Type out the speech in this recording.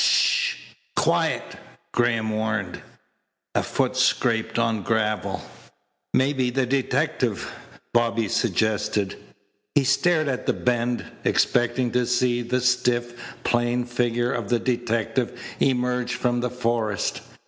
"Sh h! Quiet!" Graham warned. A foot scraped on gravel. "Maybe the detective," Bobby suggested. He stared at the bend, expecting to see the stiff, plain figure of the detective emerge from the forest.